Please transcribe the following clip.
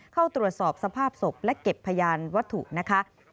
เข้าตรวจสอบสภาพศพและเก็บพยานวัตถุนะคะ